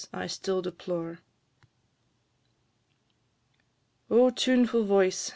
I STILL DEPLORE. Oh, tuneful voice!